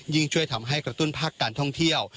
ช่วยทำให้กระตุ้นภาคการท่องเที่ยว